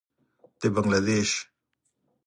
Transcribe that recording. د بنګله دېش.